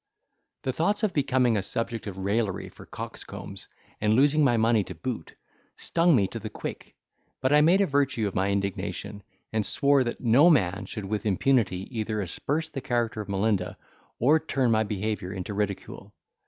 The thoughts of becoming a subject of raillery for coxcombs, and losing my money to boot, stung me to the quick; but I made a virtue of my indignation, and swore that no man should with impunity either asperse the character of Melinda, or turn my behaviour into ridicule.